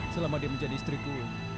selama dia menjadi istriku